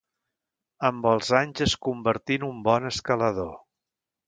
Amb els anys es convertí en un bon escalador.